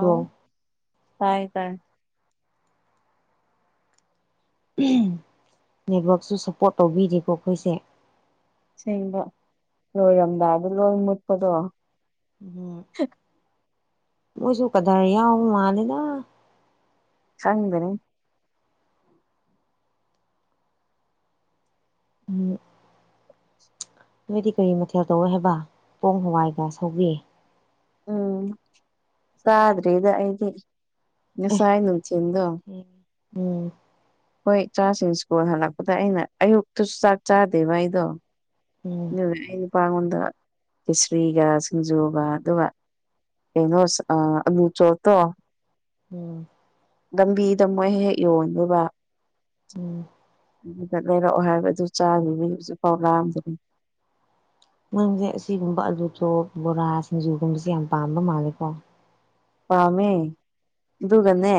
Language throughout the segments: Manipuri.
ꯑꯥꯎ ꯇꯥꯏ ꯇꯥꯏ ꯅꯦꯠꯋꯥꯛꯁꯨ ꯁꯞꯄꯣꯔꯠ ꯇꯧꯕꯤꯔꯤꯀꯣ ꯑꯩꯈꯣꯏꯁꯦ ꯁꯦꯡꯕ ꯂꯣꯏꯔꯝꯗꯥ ꯑꯗꯨ ꯂꯣꯏ ꯃꯨꯠꯄꯗꯣ [inaudible] ꯃꯣꯏꯁꯨꯨ ꯀꯗꯥꯔ ꯌꯧ ꯃꯥꯂꯤꯗ ꯆꯪꯗꯦꯅꯦ ꯎꯝ ꯅꯣꯏꯗꯤ ꯀꯔꯤ ꯃꯊꯦꯜ ꯇꯧꯋꯦ ꯍꯥꯏꯕ ꯄꯣꯡ ꯍꯋꯥꯏꯒ ꯁꯧꯒꯔꯦ ꯑ ꯎꯝ ꯆꯥꯗ꯭ꯔꯦꯗ ꯑꯩꯗꯤ ꯑꯦ ꯉꯁꯥꯏ ꯅꯨꯡꯆꯤꯟꯗꯣ ꯎꯝ ꯍꯣꯏ ꯏꯆꯥꯁꯤꯡ ꯁ꯭ ꯀꯨꯜ ꯍꯜꯂꯛꯄꯗ ꯑꯩꯅ ꯑꯌꯨꯛꯇꯁꯨ ꯆꯥꯛ ꯆꯥꯗꯦꯕ ꯑꯩꯗꯣ ꯎꯝ ꯑꯩꯄꯉꯣꯟꯗ ꯀꯤꯁꯔꯤꯒ ꯁꯤꯡꯖꯨꯒ ꯑꯗꯨꯒ ꯑꯦꯩꯅꯣ ꯑ ꯂꯨꯆꯣ ꯇꯣ ꯎꯝ ꯂꯝꯕꯤꯗ ꯃꯣꯏ ꯍꯦꯛ ꯌꯣꯟꯗꯨꯕ ꯎꯝ ꯑꯗꯨꯗ ꯂꯩꯔꯛꯑꯣ ꯍꯥꯏꯕꯗꯨ ꯆꯥꯅꯤ ꯍꯧꯖꯤꯛ ꯄꯥꯎ ꯂꯥꯛꯑꯝꯗꯨꯅꯤ ꯅꯣꯏꯁꯦ ꯑꯁꯤꯒꯨꯝꯕ ꯑꯂꯨ ꯆꯣꯞ ꯕꯣꯔꯥ ꯁꯤꯡꯖꯨꯒꯨꯝꯕꯁꯦ ꯌꯥꯝ ꯄꯥꯝꯕ ꯃꯥꯜꯂꯦꯀꯣ ꯄꯥꯝꯃꯦ ꯑꯗꯨꯒꯅꯦ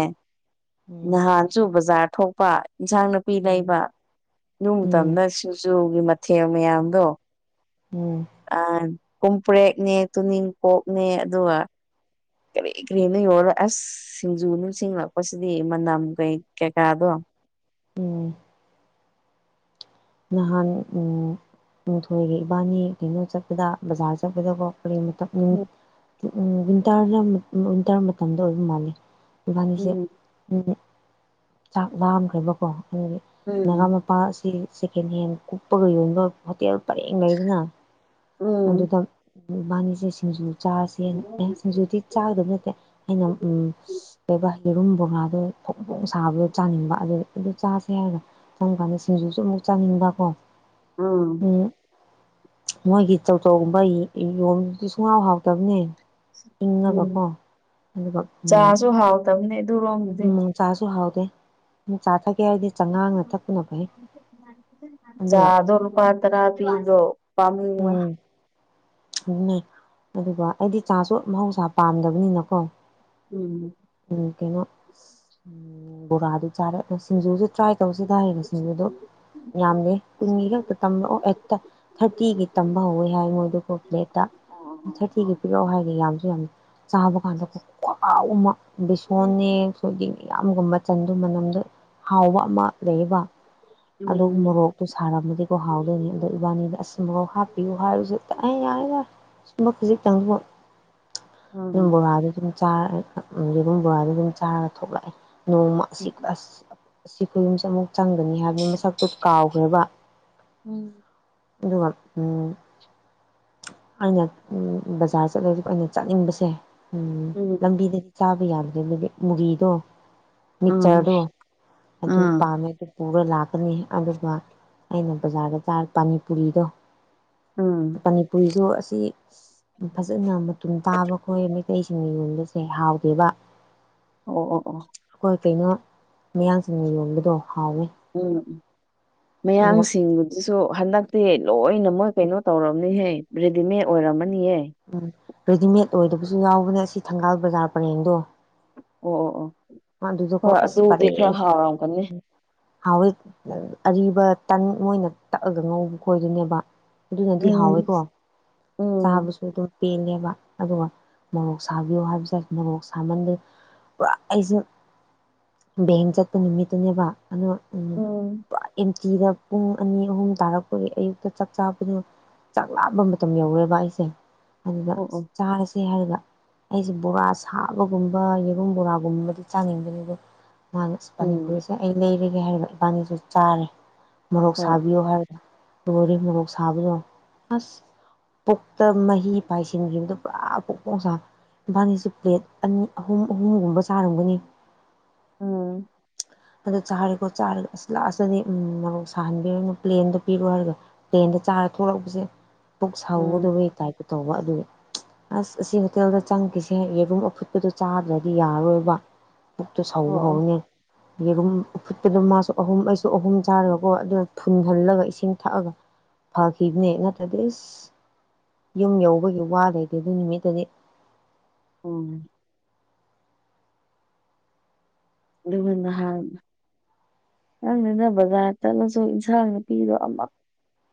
ꯎꯝ ꯅꯍꯥꯟ ꯁꯤꯡꯖꯨ ꯕꯖꯥꯔ ꯊꯣꯛꯄ ꯏꯟꯁꯥꯡ ꯅꯥꯄꯤ ꯎꯝ ꯂꯩꯕ ꯏ ꯎꯝ ꯇꯝꯅ ꯁꯤꯡꯖꯨꯒꯤ ꯊ ꯃꯌꯥꯝꯕꯣ ꯎꯝ ꯑ ꯀꯨꯝꯄꯔꯦꯛꯅꯦ ꯇꯨꯅꯤꯡ ꯀꯣꯛꯅꯦ ꯑꯗꯨꯒ ꯀꯔꯤ ꯀꯔꯤꯅꯣ ꯌꯣꯜꯂꯣ ꯑꯁ ꯁꯤꯡꯖꯨ ꯅꯨꯡ ꯁꯤꯡꯉꯛꯄꯁꯤꯗꯤ ꯃꯅꯝ ꯀꯩ ꯀꯩꯀꯥꯗꯣ ꯎꯝ ꯅꯍꯥꯟ ꯡꯊꯣꯏꯒ ꯏꯕꯥꯅꯤ ꯀꯩꯅꯣ ꯆꯠꯄꯗ ꯕꯖꯥꯔ ꯆꯠꯄꯗꯕꯣ ꯀꯔꯤꯃꯇ ꯎꯝ ꯎꯝ ꯋꯤꯟꯇꯔꯅ ꯋꯤꯟꯇꯔ ꯃꯇꯝꯗ ꯑꯣꯏꯕ ꯃꯥꯜꯂꯦ ꯏꯕꯥꯅꯤꯁꯦ ꯎꯝ ꯆꯥꯛ ꯂꯥꯝꯈ꯭ꯔꯦꯕꯀꯣ ꯑꯗꯨꯗꯒꯤꯒꯥ ꯎꯝ ꯅꯨꯄꯥꯁꯤ ꯁꯦꯀꯦꯟ ꯍꯦꯟ ꯀꯨꯞꯄꯒ ꯌꯣꯟꯕ ꯍꯣꯇꯦꯜ ꯄꯔꯦꯡ ꯂꯩꯗꯅ ꯎꯝ ꯑꯗꯨꯗ ꯏꯕꯥꯅꯤꯁꯦ ꯁꯤꯡꯖꯨ ꯆꯥꯁꯦꯅ ꯑꯦ ꯁꯤꯡꯖꯨꯗꯤ ꯆꯥꯒꯗꯕ ꯅꯠꯇꯦ ꯑꯩꯅ ꯎꯝ ꯂꯩꯕ ꯌꯦꯔꯨꯝ ꯕꯣꯥꯗꯣ ꯐꯣꯡ ꯐꯣꯡ ꯁꯥꯕꯗꯣ ꯆꯥꯅꯤꯡꯕ ꯑꯗꯨ ꯑꯗꯨ ꯆꯥꯁꯦ ꯍꯥꯏꯗꯣ ꯆꯝ ꯀꯥꯟꯗ ꯁꯤꯡꯖꯨꯁꯨ ꯑꯃꯨꯛ ꯆꯥꯅꯤꯡꯟꯕꯀꯣ ꯑꯥ ꯎꯝ ꯃꯣꯏꯒꯤ ꯇꯧꯆꯧꯒꯨꯝꯕ ꯌꯣꯟ ꯁꯨꯡꯍꯥꯎ ꯍꯥꯎꯇꯕꯅꯦ ꯎꯝ ꯏꯪꯉꯒꯀꯣ ꯑꯗꯨꯒ ꯇꯝꯅꯦ ꯑꯗꯨꯔꯣꯝꯗꯤꯦ ꯆꯁꯨ ꯍꯥꯥꯎꯗ ꯆꯥꯆꯥ ꯀꯌꯥ ꯍꯥꯏ ꯑꯗꯨꯒ ꯆꯥꯗꯣꯅ ꯄꯥꯠꯇꯔꯥ ꯇꯖꯣ ꯄꯝ ꯎꯝ ꯑꯗꯨꯅꯦ ꯑꯗꯨꯒ ꯑꯩꯗꯤ ꯆꯥꯁꯨ ꯃꯍꯧꯁꯥ ꯄꯥꯝꯗꯕꯅꯤꯅꯀꯣ ꯎꯝ ꯎ ꯀꯩꯅꯣ ꯕꯣꯔꯥꯗꯨ ꯆꯥꯔꯦ ꯁꯤꯡꯖꯨꯁꯨ ꯇ꯭ꯔꯥꯏ ꯇꯧꯁꯤꯗ ꯍꯥꯏꯔꯤꯕꯁꯤꯡꯗꯨꯗꯣ ꯌꯥꯝꯗꯦ ꯀꯨꯟꯒꯤ ꯈꯛꯇ ꯇꯝꯕꯛꯑꯣ ꯑꯩꯠꯇ ꯇꯤꯒꯤ ꯇꯝꯕ ꯍꯧꯋꯦ ꯍꯥꯏ ꯃꯣꯏꯗꯨ ꯀꯣꯄ꯭ꯂꯦꯠꯇ ꯑꯣ ꯑꯣ ꯑꯣ ꯊꯥꯔꯇꯤꯒꯤ ꯄꯤꯔꯛꯑꯣ ꯍꯥꯏꯗꯤ ꯌꯥꯝꯁꯨ ꯌꯥꯝꯅ ꯆꯥꯕ ꯀꯥꯟꯗ ꯀꯥꯎ ꯑꯃ ꯕꯤꯁꯣꯟꯅꯦ ꯎꯝ ꯁꯣꯏꯒꯤꯅꯦ ꯌꯥꯝꯒꯨꯝꯕꯆꯟꯗꯨ ꯃꯅꯝꯗ ꯍꯥꯎꯕ ꯑꯃ ꯂꯩꯌꯦꯕ ꯑꯗꯨꯒ ꯎꯝ ꯃꯣꯔꯣꯛꯇꯨ ꯁꯥꯔꯝꯃꯗꯤꯀꯣ ꯍꯥꯎꯗꯣꯏꯅꯤ ꯑꯗꯣ ꯏꯕꯥꯅꯤꯗꯥ ꯑꯁ ꯃꫭꯔꫭꯛ ꯍꯥꯞꯄꯤꯌꯨ ꯍꯥꯏꯔꯨꯁꯨ ꯑꯩ ꯌꯥꯔꯒ ꯁꯨꯝꯕ ꯈꯖꯤꯛꯇꯪꯁꯤꯕꫭ ꯑꯗꯨꯝ ꯕꯣꯔꯥꯗꯨ ꯑꯗꯨꯝ ꯆꯔ ꯌꯦ ꯑꯗꯨꯨꯝ ꯕꯣꯔꯥꯗ ꯑꯗꯨꯝ ꯆꯥꯔꯒ ꯊꯣꯛꯂꯛꯑꯦ ꯅꯣꯡꯃ ꯑꯁ ꯑꯁꯤ ꯈꯨꯌꯨꯝꯁꯦ ꯑꯃꯨꯛ ꯆꯪꯒꯅꯤ ꯍꯥꯏꯕꯅꯤ ꯃꯁꯛꯇꯣ ꯀꯥꯎꯈ꯭ꯔꯦꯕ ꯎꯝ ꯑꯗꯨꯒ ꯋꯥ ꯎꯝ ꯑꯩꯅ ꯕꯖꯥꯔ ꯆꯠꯂꯁꯤ ꯑꯩꯅ ꯆꯠꯅꯤꯡꯕꯁꯦ ꯎꯝ ꯂꯝꯕꯤꯗꯗꯤ ꯆꯥꯕ ꯌꯥꯗ꯭ꯔꯦ ꯑꯗꯨꯗꯤ ꯃꯨꯔꯤꯗꯣ ꯎꯝ ꯃꯤꯛꯆꯔꯗꯣ ꯑꯗꯨ ꯄꯥꯝꯃꯦ ꯑꯗꯨ ꯄꯨꯔ ꯂꯥꯛꯀꯅꯤ ꯑꯗꯨꯒ ꯑꯩꯅ ꯕꯖꯥꯔꯗ ꯆꯥ ꯄꯅꯤꯄꯨꯔꯤꯗꯣ ꯎꯝ ꯃꯅꯤꯄꯨꯔꯤꯁꯨ ꯑꯁꯤ ꯐꯖꯥꯟꯅ ꯃꯇꯨꯝ ꯇꯥꯕ ꯑꯩꯈꯣꯏ ꯃꯩꯇꯩꯁꯤꯡꯒꯤ ꯌꯣꯟꯕꯁꯦ ꯍꯥꯎꯗꯦꯕ ꯑꯣ ꯑꯣ ꯑꯣ ꯍꯣꯏ ꯀꯩꯅꯣ ꯃꯌꯥꯡꯁꯤꯡꯅ ꯌꯣꯟꯕꯗꯣ ꯍꯥꯎꯋꯦ ꯎꯝ ꯎꯝ ꯑꯗꯨꯒ ꯃꯌꯥꯡꯁꯤꯡꯕꯨ ꯁꯤꯁꯨ ꯍꯟꯗꯛꯇꯤ ꯂꯣꯏꯅ ꯃꯣꯏ ꯀꯩꯅꯣ ꯇꯧꯔꯝꯅꯤꯍꯦ ꯔꯦꯗꯤꯃꯦꯗ ꯑꯣꯏꯔꯝꯃꯅꯤꯍꯦ ꯎꯝ ꯔꯦꯗꯤꯃꯦꯗ ꯑꯣꯏꯗꯕꯁꯨ ꯌꯥꯎꯕꯅꯦ ꯑꯁꯤ ꯊꯪꯒꯥꯜ ꯕꯖꯥꯔ ꯄꯔꯦꯡꯗꯣ ꯑꯣ ꯑꯣ ꯑꯣ ꯑꯗꯨꯗꯀꯣ ꯍꯣꯏ ꯑꯁ ꯑꯗꯨꯗꯤ ꯈꯔ ꯐꯔꯦꯁ ꯍꯥꯎꯔꯝꯒꯅꯤ ꯍꯥꯎꯋꯦ ꯑꯔꯤꯕ ꯇꯟ ꯃꯣꯏꯅ ꯇꯛꯑꯒ ꯉꯧꯕ ꯈꯣꯏꯗꯣꯏꯅꯦꯕ ꯑꯗꯨꯅꯗꯤ ꯎꯝ ꯍꯥꯎꯋꯦꯀꯣ ꯎꯝ ꯆꯥꯕꯁꯨ ꯑꯗꯨꯝ ꯄꯦꯜꯂꯦꯕ ꯑꯗꯨꯒ ꯃꫭꯔꯣꯛ ꯁꯥꯕꯤꯌꯨ ꯍꯥꯏꯕꯁꯔꯦ ꯃꫭꯔꯣꯛ ꯁꯥꯃꯟꯗ ꯄꯨꯔꯥ ꯑꯩꯁꯦ ꯕꯦꯡ ꯆꯠꯄ ꯅꯨꯃꯤꯠꯇꯨꯅꯦꯕ ꯑꯗꯣ ꯎꯝ ꯄꯨꯔ ꯀꯤꯔꯥ ꯄꯨꯡ ꯑꯅꯤ ꯑꯍꯨꯝ ꯇꯥꯔꯛꯄꯒꯤ ꯑꯌꯨꯛꯇ ꯆꯥꯛ ꯆꯥꯕꯗꯨꯅ ꯆꯥꯛ ꯂꯥꯕ ꯃꯇꯝ ꯌꯧꯔꯦꯕ ꯑꯩꯁꯦ ꯑꯗꯨꯗ ꯑꯣ ꯑꯣ ꯆꯥꯁꯦ ꯍꯥꯏꯔꯔꯤꯕ ꯑꯩꯁꯦ ꯕꯣꯔꯥ ꯁꯥꯕꯒꯨꯝꯕ ꯌꯦꯔꯨꯝ ꯕꯣꯔꯥꯒꯨꯝꯕꯗꯤ ꯆꯥꯅꯤꯡꯕꯅꯤꯗ ꯃꯥꯅ ꯄꯥꯅꯤ ꯎꯝ ꯄꯨꯔꯤꯁꯦ ꯑꯩ ꯂꯩꯔꯒꯦ ꯍꯥꯏꯔꯤꯕ ꯏꯕꯥꯅꯤꯁꯨ ꯆꯥꯔꯦ ꯃꯣꯔꯣꯛ ꯍꯣꯏ ꯁꯥꯕꯤꯌꯣ ꯍꯥꯏꯔꯒ ꯂꯣꯔꯦ ꯃꯣꯔꯣꯛ ꯁꯥꯕꯗ ꯑꯁ ꯄꯨꯛꯇ ꯃꯍꯤ ꯄꯥꯏꯁꯤꯟꯈꯤꯕꯗꯨ ꯄꯨꯔꯥ ꯄꯨꯛ ꯄꯛꯆꯥꯅꯤ ꯏꯝꯕꯥꯅꯤꯁꯤ ꯄ꯭ꯂꯦꯠ ꯑꯅꯤ ꯑꯍꯨꯝ ꯑꯍꯨꯝꯒꯨꯝꯕ ꯆꯥꯔꯝꯒꯅꯤ ꯎꯝ ꯑꯗꯣ ꯆꯥꯔꯦꯀꯣ ꯆꯥꯔꯒ ꯑꯁ ꯂꯥꯛꯑꯁꯇꯅꯦ ꯃꯧ ꯁꯥꯍꯟꯕꯤꯔꯒꯅ ꯄ꯭ꯂꯦꯟꯗꯣ ꯄꯤꯔꯣ ꯍꯥꯏꯔꯒ ꯄ꯭ꯂꯦꯟꯗ ꯆꯥꯔ ꯊꯣꯛꯂꯛꯄꯁꯦ ꯄꯨꯛ ꯎꯝ ꯁꯥꯎꯒꯗꯕꯩ ꯇꯥꯏꯞꯇ ꯇꯧꯕ ꯑꯗꯨꯒꯤ ꯑꯁ ꯑꯁꯤ ꯍꯣꯇꯦꯜꯗ ꯆꯪꯈꯤꯁꯦ ꯌꯦꯔꯨꯝ ꯑꯐꯨꯠꯄꯗꯨ ꯆꯥꯗ꯭ꯔꯗꯤ ꯌꯥꯔꯔꯣꯏꯕ ꯕꯨꯛꯇꯣ ꯑꯣ ꯁꯥꯎꯕ ꯑꯣ ꯍꯧꯔꯤꯅꯤ ꯌꯦꯔꯨꯝ ꯎꯐꯨꯠꯄꯗꯣ ꯃꯥꯁꯨ ꯑꯍꯨꯝ ꯑꯩꯁꯨ ꯑꯍꯨꯝ ꯆꯥꯔꯒꯀꯣ ꯑꯗꯨ ꯐꯨꯟꯓꯜꯂꯒ ꯏꯁꯤꯡ ꯊꯛꯑꯒ ꯐꯈꯤꯕꯅꯦ ꯅꯠꯇ꯭ꯔꯗꯤ ꯑꯁ ꯌꯨꯝ ꯌꯧꯕꯒꯤ ꯋꯥ ꯂꯩꯇꯦ ꯑꯗꯨ ꯅꯨꯃꯤꯠꯇꯗꯤ ꯎꯝ ꯑꯗꯨꯒ ꯅꯍꯥꯟ ꯈꯪꯗꯦꯗꯥ ꯕꯖꯥꯔ ꯆꯠꯂꯁꯨ ꯏꯟꯁꯥꯡ ꯅꯨꯄꯤꯗꯣ ꯑꯃꯨꯛ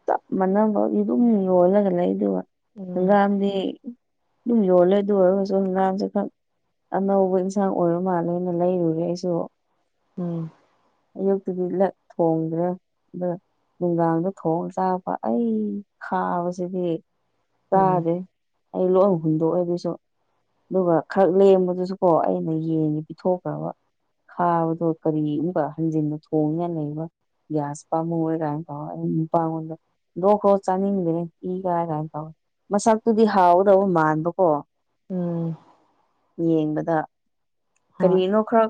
ꯆꯞ ꯃꯥꯟꯅꯕꯒꯤ ꯑꯗꯨꯝ ꯌꯣꯜꯂꯒ ꯂꯩꯗꫭꯕ ꯎꯝ UNINTELLIGIBLE ꯑꯗꯨꯝ ꯌꯣꯜꯂꯦ ꯑꯗꯨ ꯑꯣꯏꯔꯒꯁꯨ ꯉꯥꯡꯁꯦ ꯈꯛ ꯑꯅꯧꯕ ꯏꯟꯁꯥꯡ ꯑꯣꯏꯔ ꯃꯥꯜꯂꯦꯅ ꯂꯩꯔꯨꯔꯦ ꯑꯩꯁꯨ ꯎꯝ ꯑꯌꯨꯛꯇꯒꯤ ꯂꯠ ꯊꯣꯡꯗ꯭ꯔꯦ ꯑꯗꫭ ꯅꯨꯡꯗꯥꯡꯗ ꯊꯣꯡꯉꯥ ꯆꯥꯕ ꯑꯩ ꯈꯥꯕꯁꯤꯗꯤ ꯎꯝ ꯆꯥꯗꯦ ꯑꯩ ꯂꯣꯏꯅ ꯍꯨꯟꯗꯣꯛꯑꯣ ꯑꯗꯨꯁꯨ ꯑꯗꯨꯒ ꯈꯔ ꯂꯦꯝꯕꯗꯨꯁꯨꯀꯣ ꯑꯩꯅ ꯌꯦꯡꯉꯦ ꯄꯤꯊꯣꯛꯈ꯭ꯔꯕ ꯈꯥꯕꯗꯣ ꯀꯔꯤꯒꯨꯝꯕ ꯍꯟꯖꯤꯟꯅ ꯊꯣꯡꯉꯅ ꯂꯩꯕ ꯭ꯁ ꯄꯥꯝꯃ ꯑꯣꯏ ꯗꯣ ꯈ ꯔꯣꯖ ꯆꯅꯤꯡꯗꯅꯦ ꯏꯒꯑꯒꯥꯏ ꯇꯧ ꯃꯁꯛꯇꯨꯗꯤ ꯍꯥꯎꯒꯗꯕ ꯃꯥꯟꯕꯀꯣ ꯎꯝ ꯌꯦꯡꯕꯗ ꯍꯣꯏ ꯀꯔꯤꯅꯣ ꯈꯔ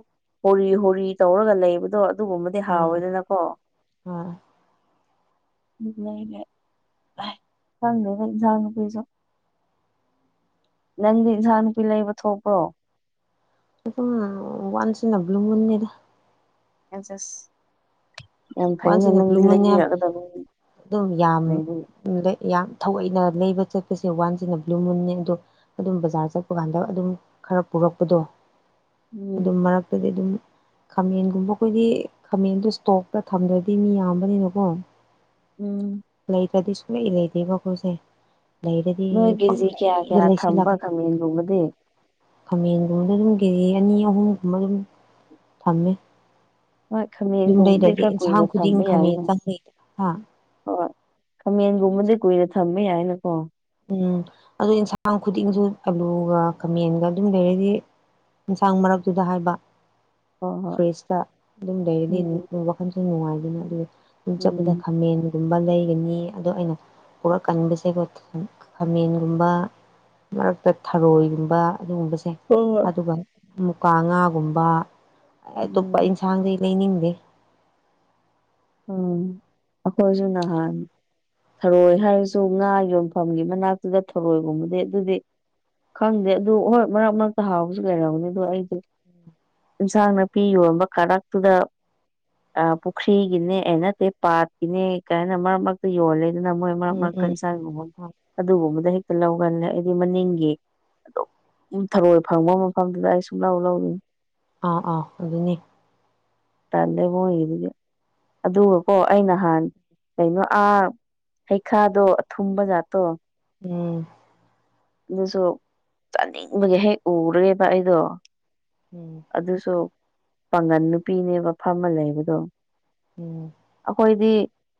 ꯍꯣꯔꯤ ꯍꯣꯔꯤ ꯇꯧꯔꯒ ꯂꯩꯕ ꯑꯗꯣ ꯑꯗꯨꯒꯨꯝꯕꯗꯤ ꯎꯝ ꯍꯥꯎꯋꯦꯗꯅꯀꯣ ꯍꯣꯏ ꯎꯝ ꯊꯪꯗ‌ꯦꯅꯦ ꯏꯟꯖꯥꯡ ꯅꯥꯄꯤꯁꯨ ꯅꯪꯗꯤ ꯏꯟꯁꯥꯡ ꯅꯥꯄꯤ ꯂꯩꯕ ꯊꯣꯛꯄ꯭ꯔꯣ ꯑꯗꯨꯝ ꯋꯥꯟꯁ ꯏꯟꯅ ꯕ꯭ꯂꯨ ꯃꯨꯟꯁꯅꯤꯗ ꯑꯁ ꯑꯁ ꯌꯥꯝ ꯐꯩꯅ ꯋꯥꯟꯁꯤꯅ ꯕ꯭ꯂꯨ ꯅꯪꯗꯤ ꯃꯨꯟꯅꯤ ꯍꯥꯏꯕ ꯂꯩꯕꯤꯔꯛꯒꯗꯕ ꯂꯩꯕꯒꯤ ꯑꯝ ꯂꯩ ꯌꯥꯝ ꯊꯑꯣꯏꯅ ꯂꯩꯕ ꯆꯠꯄꯁꯦ ꯋꯥꯟꯁꯤꯅ ꯕ꯭ꯂꯨ ꯃꯨꯟꯅꯦ ꯑꯗꯣ ꯑꯗꯨꯝ ꯕꯖꯥꯔ ꯆꯠꯄ ꯀꯥꯟꯗ ꯑꯗꯨꯝ ꯈꯔ ꯄꯨꯔꯛꯄꯗꯣ ꯑꯗꯨꯝ ꯎꯝ ꯃꯔꯛꯇꯗꯤ ꯑꯗꯨꯝ ꯈꯥꯃꯦꯟꯒꯨꯝꯕ ꯑꯩꯈꯣꯏꯒꯤ ꯈꯥꯃꯦꯟꯗꯣ ꯏꯁꯇꯣꯛꯇ ꯊꯝꯗ꯭ꯔꯗꯤ ꯃꯤ ꯌꯥꯝꯕꯅꯤꯅꯀꯣ ꯎꯝ ꯂꯩꯇꫪꯗꯤ ꯁꯨꯡꯂꯩ ꯂꯩꯇ‌‌ꯦꯕ ꯑꯩꯈꫭꯏꯁ‌ꯦ ꯂꯩꯔꯗꯤ ꯅꯣꯏ ꯀꯦꯖꯤ ꯀꯌꯥ ꯄꯪꯂꯩꯗ ꯀꯌꯥ ꯂꯩꯁꯤꯜꯂꯦ ꯊꯝꯕ ꯈꯥꯃꯦꯟꯒꯨꯝꯕꯗꯤ ꯈꯥꯃꯦꯟꯒꯨꯝꯕꯗ ꯑꯗꯨꯝ ꯀꯦꯖꯤ ꯑꯅꯤ ꯑꯍꯨꯝꯒꯨꯝꯕ ꯑꯗꯨꯝ ꯊꯝꯃꯦ ꯍꯣꯏ ꯈꯥꯃ‌ꯦꯟꯒꯨꯝꯕꯗꯤ ꯈꫪ ꯁꯍꯥꯝ ꯈꯨꯗꯤꯡ ꯈꯝꯃꯦꯟ ꯆꯪꯉꯩ ꯍꯥ ꯍꯣꯏ ꯈꯥꯃꯦꯟꯒꯨꯝꯕꯗꯤ ꯀꯨꯏꯅ ꯊꯝꯕ ꯌꯥꯏꯅꯀꯣ ꯎꯝ ꯑꯗꫭ ꯏꯟꯁꯥꯡ ꯎꯝ ꯈꯨꯗꯤꯡꯁꯨ ꯑꯂꯨꯒ ꯈꯥꯃꯦꯟꯒ ꯑꯗꯨꯝ ꯂꯩꯔꯗꯤ ꯌꯦꯟꯁꯥꯡ ꯃꯔꯛꯇꯨꯗ ꯍꯥꯏꯕ ꯍꯣꯏ ꯍꯣꯏ ꯐ꯭ꯔꯦꯁꯇ ꯑꯗꯨꯝ ꯂꯩꯔꯗꯤ ꯎꯝ ꯋꯥꯈꯜꯁꯨ ꯅꯨꯡꯉꯥꯏꯗꯅ ꯑꯗꯨꯒ ꯁꯨꯝ ꯆꯠꯄꯗ ꯎꯝ ꯈꯥꯃꯦꯟꯒꯨꯝꯕ ꯂꯩꯒꯅꯤ ꯑꯗꯣ ꯑꯩꯅ ꯄꫭꯔꯛꯀꯟꯗ ꯁꯤꯕꯨꯛ ꯈꯥꯃꯦꯟꯒꯨꯝꯕ ꯃꯔꯛꯇ ꯊꯔꯣꯏꯒꯨꯝꯕ ꯑꯗꯨꯒꯨꯝꯕꯁꯦ ꯍꯣꯏ ꯍꯣꯏ ꯑꯗꯨꯒ ꯃꯨꯀꯥ ꯉꯥꯒꯨꯝꯕ ꯑꯇꯣꯞꯄ ꯎꯝ ꯌꯦꯟꯁꯥꯡꯗꯤ ꯂꯩꯅꯤꯡꯗꯦ ꯎꯝ ꯑꯩꯈꯣꯏꯁꯨ ꯅꯍꯥꯟ ꯊꯔꯣꯏ ꯍꯥꯏꯔꯁꯨ ꯉꯥ ꯌꯣꯟꯐꯝꯒꯤ ꯃꯅꯥꯛꯇ ꯊꯔꯣꯏꯒꯨꯝꯕꯗꯤ ꯑꯗꯨꯗꯤ ꯈꯪꯗꯦ ꯑꯗꯨ ꯍꯣꯏ ꯃꯔꯛ ꯃꯔꯛꯇ ꯍꯥꯎꯕꯁꯨ ꯂꯩꯔꯝꯒꯅꯤ ꯑꯗꯣ ꯑꯩꯗꯤ ꯏꯟꯁꯥꯡ ꯅꯥꯄꯤ ꯌꯣꯟꯕ ꯀꯥꫪꯛꯇꯨꯗ ꯑ ꯄꯨꯈ꯭ꯔꯤ ꯒꯤꯅꯦ ꯑ‌ꯦꯅꯠꯇꯦ ꯄꯥꯠꯀꯤꯅꯦ ꯀꯥꯏꯅ ꯃꯔꯛ ꯃꯔꯛ ꯌꯣꯜꯂꯦꯗꯅ ꯃꯣꯏ ꯃꯔꯛ ꯎꯝ ꯃꯔꯛꯇ ꯎꯝ ꯑ‌ꯦꯟ ꯁꯥꯡꯒꯨꯝꯕ ꯑꯗꯨꯒꯨꯝꯕꯗ ꯍꯦꯛꯇ ꯂꯧ ꯕꯅ‌ꯦ ꯑꯩꯗꯤ ꯃꯅꯤꯡꯒꯤ ꯏꯪ ꯊꯔꯣꯏ ꯐꯪꯕ ꯃꯐꯝꯗꯨꯗ ꯑꯩ ꯁꯨꯡ ꯂꯧ ꯂꯧꯔꯤ ꯑꯥ ꯑꯥ ꯑꯗꯨꯅꯤ ꯇꯜꯂ‌ꯦ ꯃꫭꯏꯒꯤꯗꯨꯗꯤ ꯑꯗꯨꯒꯀꯣ ꯑꯩ ꯅꯍꯥꯟ ꯀꯩꯅꯣ ꯑꯥ ꯍꯩꯈꯥꯗꯣ ꯑꯊꯨꯝꯕ ꯖꯥꯠꯇꯣ ꯎꯝ ꯑꯗꯨꯁꯨ ꯆꯥꯅꯤꯡꯕꯒꯤ ꯍꯦꯛ ꯎꯔꯦꯕ ꯑꯩꯗꯣ ꯎꯝ ꯑꯗꯨꯁꯨ ꯄꯥꯡꯒꯟ ꯅꯨꯄꯤꯅꯦꯕ ꯐꯝꯃ ꯂꯩꯕꯗꯣ ꯎꯝ ꯑꯩꯈꯣꯏꯗꯤ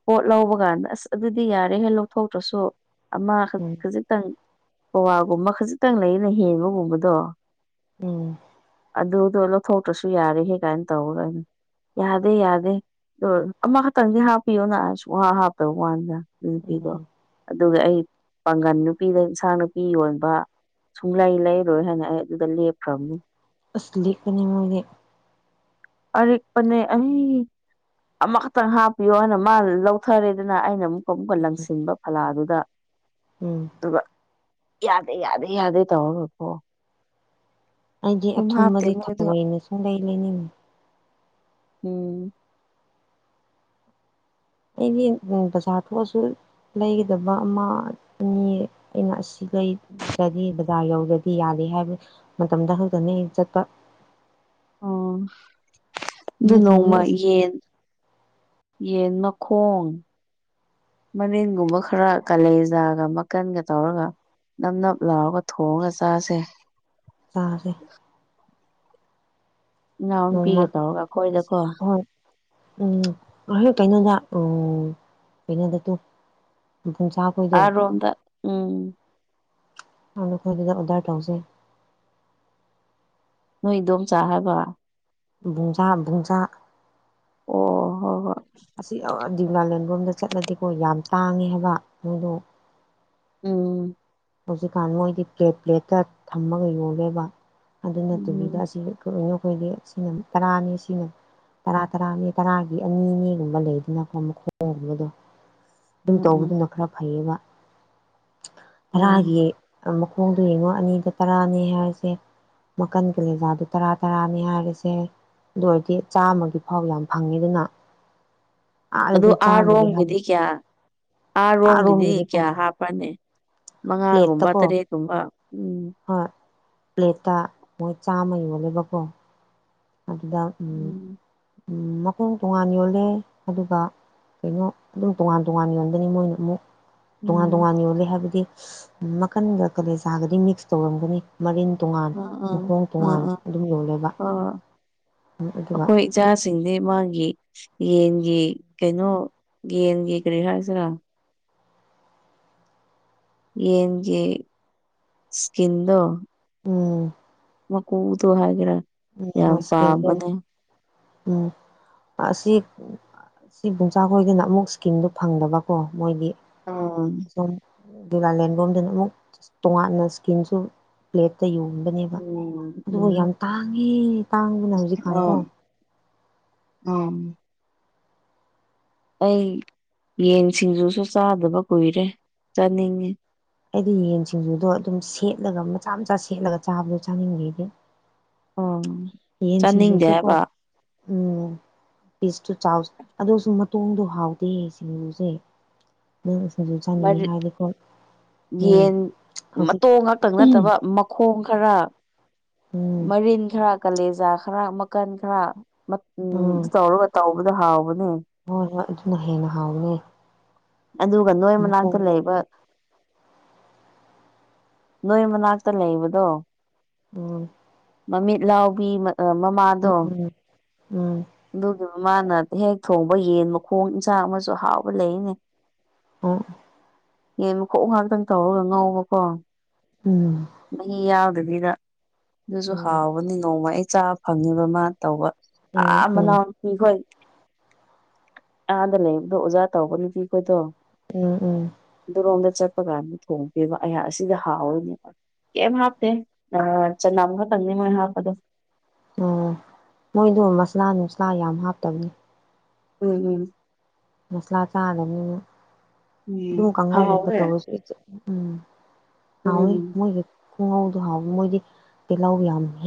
ꯄꯣꯠ ꯂꯧꯕ ꯀꯥꯟꯗ ꯑꯁ ꯑꯗꯨꯗꯤ ꯌꯥꯔꯦꯍꯦ ꯂꯧꯊꯣꯛꯇ꯭ꯔꯁꯨ ꯑꯃꯈꯛ ꯎꯝ ꯈꯖꯤꯛꯇꯪ ꯄꯋꯥꯒꯨꯝꯕ ꯈꯖꯤꯛꯇꯪ ꯂꯩꯅ ꯍꯦꯟꯕꯒꯨꯝꯕꯗꯣ ꯎꯝ ꯑꯗꯨꯗꯣ ꯂꯧꯊꯣꯛꯇ꯭ꯔꯁꯨ ꯌꯥꯔꯦꯍꯦ ꯀꯥꯏꯅ ꯇꯧꯔꯒ ꯌꯥꯗꯤ ꯌꯥꯗ ꯑꯃꯈꯛꯇꯪꯗꯤ ꯍꯥꯞꯄꯤꯌꯣꯅ ꯁꯨꯡꯍꯥꯞ ꯍꯥꯞꯇꯕꯋꯅꯤꯗ ꯅꯨꯄꯤꯗꯣ ꯎꯝ ꯑꯗꯨꯒ ꯑꯩ ꯄꯥꯡꯒꯜ ꯅꯨꯄꯤꯗ ꯏꯟꯁꯥꯡ ꯅꯥꯄꯤ ꯌꯣꯟꯕ ꯁꯨꯡꯂꯩ ꯂꯩꯔꯣꯏ ꯍꯥꯏꯅ ꯑꯩ ꯑꯗꯨꯗ ꯂꯦꯞꯈ꯭ꯔꯕꯅꯤ ꯑꯁ ꯂꯤꯛꯄꯅꯦ ꯃꯣꯏꯗꯤ ꯑꯔꯤꯛꯄꯅꯦ ꯑꯩ ꯑꯃꯈꯛꯇꯪ ꯍꯥꯞꯄꯤꯌꯣ ꯍꯥꯏꯅ ꯃꯥ ꯂꯧꯊꯔꯦꯗꯅ ꯑꯩꯅ ꯑꯃꯨꯛꯀ ꯑꯃꯨꯛꯀ ꯎꯝ ꯂꯪꯁꯤꯟꯕ ꯐꯂꯥꯗꯨꯗ ꯎꯝ ꯑꯗꯨꯒ ꯌꯥꯗꯦ ꯌꯥꯗꯦ ꯌꯥꯗꯦ ꯇꯧꯔꯒꯀꯣ ꯑꯩꯗꯤ ꯑꯗꯨꯝ ꯍꯥꯞꯇꯦ ꯑꯊꯨꯝꯕꯗꯤ ꯃꯣꯏꯗꯣ ꯊꯑꯣꯏꯅ ꯁꯨꯝ ꯂꯩ ꯂꯩꯅꯤꯡꯉ ꯎꯝ ꯑꯩꯗꯤ ꯎ ꯕꯖꯥ ꯊꯁꯨ ꯂꯩꯒꯗꯕ ꯑꯃ ꯑꯅꯤ ꯑꯩꯅ ꯑꯁꯤ ꯂꯩ ꯅꯥꯠꯗꯤ ꯕꯖꯥꯔ ꯌꯧꯗꯗꯤ ꯌꯥꯗꯦ ꯍꯥꯏꯕ ꯃꯇꯝꯗ ꯈꯛꯇꯅꯦ ꯆꯠꯄ ꯑꯣ ꯑꯗꯨ ꯅꯠꯇ꯭ꯔꯗꯤ ꯅꯣꯡꯃ ꯑꯁ ꯌꯦꯟ ꯌꯦꯟ ꯃꯈꯣꯡ ꯃꯅꯤꯟꯒꯨꯝꯕ ꯈꯔ ꯀꯥꯂꯦꯖꯥꯒ ꯃꯀꯟꯒ ꯇꯧꯔꯒ ꯅꯞ ꯅꯞ ꯂꯥꯎꯔꯒ ꯊꯣꯡꯉꯒ ꯆꯥꯁꯦ ꯆꯥꯁꯦ ꯏꯅꯥꯎ ꯅꯨꯄꯤꯒ ꯇꯧꯔꯒ ꯅꯣꯡꯃꯁꯤ ꯑꯩꯈꯣꯏꯗꯀꯣ ꯍꯣꯏ ꯎꯝ ꯑꯩ ꯀꯩꯅꯣꯗ ꯎ ꯀꯩꯅꯣꯗ ꯇꯨ [unintelligible] ꯑꯔꯣꯗ ꯎꯝ ꯑꯗ ꯑꯣꯔꯗꯦ ꯇꯧꯁꯦ ꯅꯣꯏꯗꯣꯝꯆꯥ ꯍꯥꯏꯕ ꯕꯨꯡꯖꯥ ꯕꯨꯡꯖꯥ ꯍꯣꯏ ꯍꯣꯏ ꯑꯁꯤ ꯗꯤꯂꯥꯂꯦꯟ ꯂꯣꯝꯗ ꯆꯠꯂꯗꯤꯀꯣ ꯌꯥꯝ ꯇꯥꯡꯉꯦ ꯍꯥꯏꯕ ꯅꯣꯏꯗꯣ ꯎꯝ ꯍꯧꯖꯤꯛꯀꯥꯟ ꯃꯣꯏꯗꯤ ꯄ꯭ꯂꯦꯠ ꯄ꯭ꯂꯦꯠꯇ ꯊꯝꯃꯒ ꯌꯣꯜꯂꯦꯕ ꯑꯗꯨ ꯅꯥꯠꯇꯕꯤꯗ ꯎꯝ ꯑꯁꯤ ꯈꯣꯏ ꯕꯣꯛ ꯑꯩꯈꯣꯏꯗꯤ ꯁꯤꯅ ꯇꯔꯥꯅꯤ ꯁꯤꯅ ꯇꯔꯥ ꯇꯔꯥꯅꯤ ꯇꯔꯥꯒꯤ ꯑꯅꯤꯅꯦꯒꯨꯝꯕ ꯂꯩꯗꯅꯀꯣ ꯃꯈꯣꯡꯒꯨꯝꯕꯗꯣ ꯎꯝ ꯑꯗꯨꯝ ꯎꯝ ꯇꯧꯕꯗꯨꯅ ꯈꯔ ꯐꯩꯌꯦꯕ ꯑꯣ ꯇꯔꯥꯒꯤ ꯃꯈꯣꯡꯗꯣ ꯌꯦꯡꯉꯣ ꯑꯅꯤꯗ ꯇꯔꯥꯅꯦ ꯍꯥꯏꯔꯁꯦ ꯃꯈꯟ ꯀꯥꯂꯦꯖꯥꯗꯨ ꯇꯔꯥ ꯇꯔꯥꯅꯤ ꯍꯥꯏꯔꯤꯁꯦ ꯑꯗꯨ ꯑꯣꯏꯔꯗꯤ ꯆꯥꯃꯒꯤ ꯐꯥꯎ ꯌꯥꯝ ꯐꯪꯉꯤꯗꯨꯅ ꯑꯗꯨ ꯑꯥꯔꯣꯝꯒꯤꯗꯤ ꯀꯌꯥ ꯑꯥꯔꯣꯝꯒꯤꯗꯤ ꯑꯥꯔꯣꯝꯒꯤꯗꯤꯀꯣ ꯀꯌꯥ ꯍꯥꯞꯄꯅꯦ ꯃꯉꯥꯒꯨꯝꯕ ꯄ꯭ꯂꯦꯠꯇꯀꯣ ꯇꯔꯦꯠꯀꯨꯝꯕ ꯎꯝ ꯍꯣꯏ ꯄ꯭ꯂꯦꯠꯇ ꯃꯣꯏ ꯆꯥꯝꯃ ꯌꯣꯜꯂꯦꯕꯀꯣ ꯑꯗꯨꯗ ꯎꯝ ꯃꯈꯣꯡ ꯇꯣꯉꯥꯟ ꯌꯣꯜꯂꯦ ꯑꯗꯨꯒ ꯀꯩꯅꯣ ꯑꯗꯨꯝ ꯇꯣꯉꯥꯟ ꯇꯣꯉꯥꯟ ꯌꯣꯟꯗꯅꯤ ꯃꯣꯏꯅ ꯑꯃꯨꯛ ꯇꯣꯉꯥꯟ ꯎꯝ ꯇꯣꯉꯥꯟ ꯌꯣꯂꯦ ꯍꯥꯏꯕꯗꯤ ꯃꯈꯟꯒ ꯀꯂꯦꯖ ꯆꯥꯒꯗꯤ ꯃꯤꯛꯁ ꯇꯧꯔꯝꯒꯅꯤ ꯃꯔꯤꯟ ꯇꯣꯉꯥꯟ ꯑꯥ ꯃꯈꯣꯡ ꯑꯥ ꯇꯣꯉꯥꯟ ꯑꯥ ꯑꯗꯨꯝ ꯌꯣꯜꯂꯦꯕ ꯑꯥ ꯍꯣꯏ ꯑꯗꯨꯒ ꯑꯩꯈꯣꯏ ꯏꯆꯥꯁꯤꯡꯗꯤ ꯃꯥꯒꯤ ꯌꯦꯟꯒꯤ ꯀꯩꯅꯣ ꯌꯦꯟꯒꯤ ꯀꯔꯤ ꯍꯥꯏꯔꯤꯁꯤꯔ ꯌꯦꯟꯒꯤ ꯏꯁꯀꯤꯟꯗꯨ ꯎꯝ ꯃꯀꯨꯗꯣ ꯍꯥꯏꯒꯦꯔꯥ ꯎꯝ ꯌꯥꯝ ꯑꯁꯀꯤꯗ ꯄꯥꯝꯕꯅꯦ ꯎꯝ ꯑꯁꯤ ꯁꯤ ꯕꯨꯡꯆꯥ ꯈꯣꯏꯗꯅ ꯑꯃꯨꯛ ꯏꯁꯀꯤꯝꯗꯨꯣ ꯐꯪꯗꯕꯀꯣ ꯃꯣꯏꯗꯤ ꯑꯣ [unintelligible] ꯁꯨꯝ ꯗꯤꯂꯥꯂꯦꯟꯕꯣꯝꯗꯅ ꯑꯃꯨꯛ ꯇꯣꯉꯥꯟꯅ ꯏꯁ꯭ꯀꯤꯟꯁꯨ ꯄ꯭ꯂꯦꯠꯇ ꯌꯣꯟꯕꯅꯦꯕ ꯑꯗꯨꯕꯨ ꯎꯝ ꯌꯥꯝ ꯇꯥꯡꯉꯦ ꯇꯥꯡꯕꯅ ꯍꯧꯖꯤꯛꯀꯥꯟꯀꯣ ꯑꯣ ꯎꯝ ꯑꯩ ꯌꯦꯟ ꯁꯤꯡꯖꯨꯁꯨ ꯆꯥꯗꯕ ꯀꯨꯏꯔꯦ ꯆꯥꯅꯤꯡꯉꯤ ꯑꯩꯗꯤ ꯌꯦꯟ ꯁꯤꯡꯖꯨꯗꯣ ꯑꯗꯨꯝ ꯁꯦꯠꯂꯒ ꯃꯆꯥ ꯃꯆꯥ ꯁꯦꯠꯂꯒ ꯆꯥꯕꯗꯣ ꯆꯥꯅꯤꯡꯈꯤꯗꯤ ꯑꯣ ꯌꯦꯟ ꯆꯥꯅꯤꯡꯗꯦ ꯁꯤꯡꯖꯨꯁꯦꯀꯣ ꯍꯥꯏꯕ ꯎꯝ ꯄꯤꯁ ꯇꯨ ꯆꯥꯎꯁ ꯑꯗꯁꯨ ꯃꯇꯣꯡꯗꯣ ꯍꯥꯎꯗꯦ ꯁꯤꯡꯒꯨꯁꯦ ꯅꯪ ꯁꯤꯡꯖꯨ ꯆꯥꯅꯤꯡꯉꯤ ꯃꯔꯤ ꯍꯥꯏꯔꯗꯤꯀꯣ ꯎꯝ ꯌꯦꯟ ꯍꯧꯖꯤꯛ ꯃꯇꯣꯡ ꯉꯥꯛꯇꯪ ꯎꯝ ꯅꯠꯇꯕ ꯃꯈꯣꯡ ꯈꯔ ꯃꯔꯤꯟ ꯈꯔ ꯀꯥꯂꯦꯖꯥ ꯈꯔ ꯃꯈꯀꯟ ꯈꯔ ꯎꯝ ꯑꯗꯨ ꯇꯧꯔꯒ ꯇꯧ ꯃꯣꯏꯗꯤ ꯍꯥꯥꯎꯕꯅꯦ ꯍꯣꯏ ꯍꯣꯏ ꯑꯗꯨꯅ ꯍꯦꯟꯅ ꯍꯥꯎꯅꯦ ꯑꯗꯨꯒ ꯅꯣꯏ ꯃꯅꯥꯛꯇ ꯂꯩꯕ ꯅꯣꯏ ꯃꯅꯥꯛꯇ ꯂꯩꯕꯗꯣ ꯎꯝ ꯃꯃꯤꯠ ꯂꯥꯎꯕꯤ ꯃꯠ ꯑ ꯃꯥꯃꯥ ꯎꯝ ꯎꯝ ꯎꯝ ꯑꯗꯨꯒꯤ ꯃꯥꯅ ꯍꯦꯛ ꯊꯣꯡꯕ ꯌꯦꯟ ꯃꯈꯣꯡ ꯏꯟꯁꯥꯡ ꯑꯃꯁꯨ ꯍꯥꯎꯕ ꯂꯩꯅꯦ ꯑꯣ ꯌꯦꯟ ꯃꯈꯣꯡ ꯉꯥꯛꯇꯪ ꯇꯧꯔꯒ ꯉꯧꯕꯀꯣ ꯎꯝ ꯃꯍꯤ ꯌꯥꯎꯗꯕꯤꯗ ꯑꯗꯨꯁꯨ ꯎꯝ ꯍꯥꯎꯕꯅꯤ ꯅꯣꯡꯃ ꯑꯩ ꯆꯥꯕ ꯐꯪꯉꯤꯕ ꯃꯥ ꯇꯧꯕ ꯎꯝ ꯑ ꯎꯝ ꯃꯅꯥꯎ ꯅꯨꯄꯤꯈꯣꯏ ꯑꯥꯗ ꯂꯩꯕꯗꯣ ꯑꯣꯖꯥ ꯇꯧꯕ ꯅꯨꯄꯤꯈꯣꯏꯗꯣ ꯎꯝ ꯎꯝ ꯑꯗꯨꯔꯣꯝꯗ ꯆꯠꯄ ꯀꯥꯟꯗ ꯊꯣꯡꯒꯦꯕ ꯑꯩꯍꯥꯛ ꯑꯁꯤꯗ ꯍꯥꯎꯋꯣꯏꯅꯦꯕ ꯀꯩꯝ ꯍꯥꯞꯇꯦ ꯑ ꯆꯥꯅꯝ ꯈꯛꯇꯪꯅꯤ ꯃꯣꯏ ꯍꯥꯞꯄꯗꯣ ꯎꯝ ꯃꯣꯏꯗꯣ ꯃꯁꯂꯥ ꯅꯨꯡꯁꯂꯥ ꯌꯥꯝ ꯍꯥꯞꯇꯕꯅꯤ ꯎꯝ ꯎꯝ ꯃꯁꯂꯥ ꯆꯥꯗꯃꯤꯅ ꯎꯝ ꯑꯗꯨꯝ ꯀꯥꯡꯍꯧꯒꯨꯝꯕ ꯍꯥꯎꯋꯦ ꯇꯧꯔꯁꯨ [unintelligible] ꯎꯝ ꯍꯥꯎꯋꯦ ꯎꯝ ꯃꯣꯏ ꯈꯣꯡꯍꯧꯗꯣ ꯍꯥꯎꯋ ꯃꯣꯏꯗꯤ ꯇꯤꯜꯍꯧ ꯌꯥꯝꯍꯦ